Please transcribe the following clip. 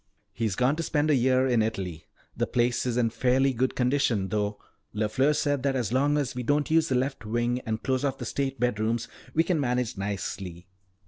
"He's gone to spend a year in Italy. The place is in fairly good condition though. LeFleur said that as long as we don't use the left wing and close off the state bedrooms, we can manage nicely."